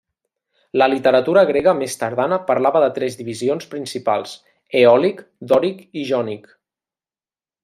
La literatura grega més tardana parlava de tres divisions principals: eòlic, dòric i jònic.